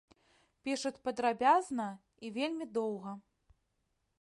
Пішуць падрабязна і вельмі доўга.